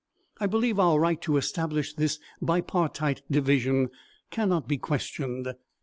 I believe our right to establish this bipartite division cannot be questioned.